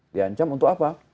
diancam untuk apa